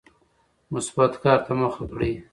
مثبت کار ته مخه کړئ.